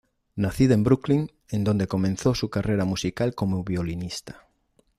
Nacida en Brooklyn, en donde comenzó su carrera musical como violinista.